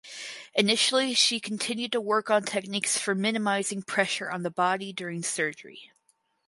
Initially she continued work on techniques for minimizing pressure on the body during surgery.